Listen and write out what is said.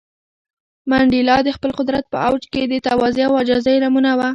منډېلا د خپل قدرت په اوج کې د تواضع او عاجزۍ نمونه و.